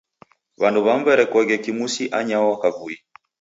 W'andu w'amu w'erekoghe kimusi anyaho kavui.